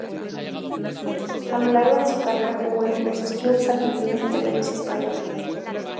A lo largo de su carrera, jugó en diversos clubes argentinos, italianos y españoles.